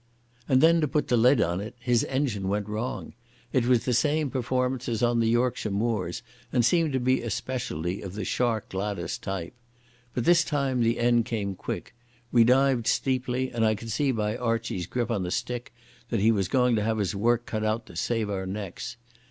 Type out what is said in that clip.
And then to put the lid on it his engine went wrong. It was the same performance as on the Yorkshire moors, and seemed to be a speciality of the Shark Gladas type. But this time the end came quick. We dived steeply, and I could see by Archie's grip on the stick that he was going to have his work cut out to save our necks.